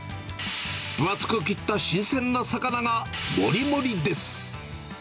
分厚く切った新鮮な魚が盛り盛りです。